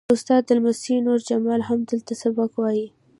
د استاد لمسی نور جمال هم دلته سبق وایي.